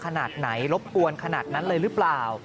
ขนาดไหนรบกวนขนาดนั้นเลยหรือเปล่า